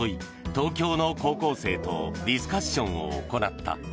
東京の高校生とディスカッションを行った。